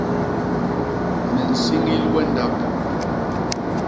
Me nsiñil we ndap.